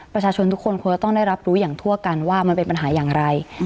ประชาชนทุกคนควรจะต้องได้รับรู้อย่างทั่วกันว่ามันเป็นปัญหาอย่างไร